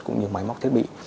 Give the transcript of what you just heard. cũng như máy móc thiết bị